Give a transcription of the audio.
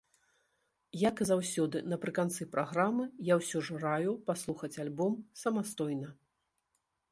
Як і заўсёды напрыканцы праграмы, я ўсё ж раю паслухаць альбом самастойна.